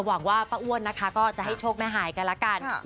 หวังว่าป้าอ้วนนะคะก็จะให้โชคแม่หายกันแล้วกัน